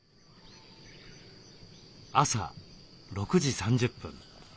朝６時３０分。